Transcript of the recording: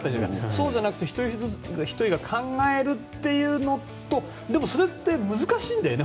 そうじゃなくて一人ひとりが考えるというのとでも、それって難しいんだよね